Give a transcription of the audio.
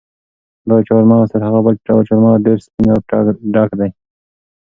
دا چهارمغز تر هغه بل ډول چهارمغز ډېر سپین او ډک دي.